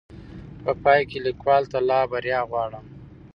په پاى کې ليکوال ته لا بريا غواړم